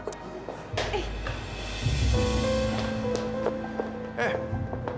jangan keterlaluan ya